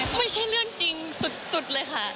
ไม่ใช่เรื่องจริงสุดเลยค่ะ